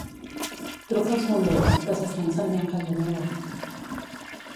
Truca als bombers, que s'està incendiant casa meva.